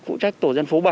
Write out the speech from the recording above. phụ trách tổ dân phố bảy